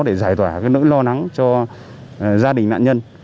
để giải tỏa cái nỗi lo nắng cho gia đình nạn nhân